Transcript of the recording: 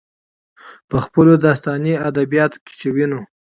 په خپلو داستاني ادبياتو کې چې وينو،